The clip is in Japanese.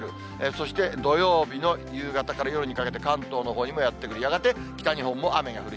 そして土曜日の夕方から夜にかけて、関東のほうにもやって来る、やがて北日本も雨が降る。